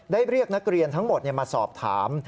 เรียกนักเรียนทั้งหมดมาสอบถาม